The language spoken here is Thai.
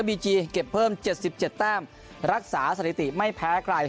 บีจีเก็บเพิ่มเจ็ดสิบเจ็ดแต้มรักษาสถิติไม่แพ้ใคร